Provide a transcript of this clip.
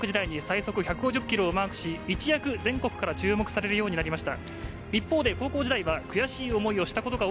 中学時代に最速１５０キロをマークし、一躍全国から注目されるようになりました。